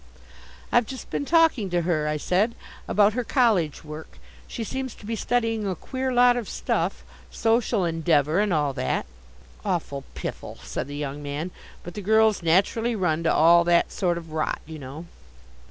"I've just been talking to her," I said, "about her college work. She seems to be studying a queer lot of stuff Social Endeavour and all that!" "Awful piffle," said the young man. "But the girls naturally run to all that sort of rot, you know."